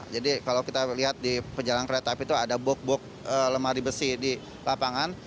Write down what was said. jadi kalau kita lihat di perjalanan kereta api itu ada blok blok lemari besi di lapangan